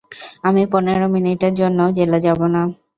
আমি পনের মিনিটের জন্যও জেলে যাব না।